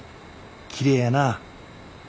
きれいやなぁ。